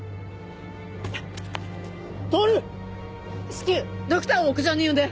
至急ドクターを屋上に呼んで！